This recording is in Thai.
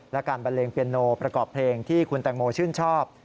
และการบันเลงเปียโนประกอบเพลงที่คุณแตงโมชื่นชอบ